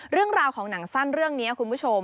เรื่องราวของหนังสั้นเรื่องนี้คุณผู้ชม